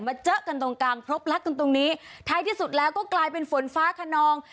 เจอกันตรงกลางพบรักกันตรงนี้ท้ายที่สุดแล้วก็กลายเป็นฝนฟ้าขนอง